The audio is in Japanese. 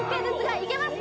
いけますか？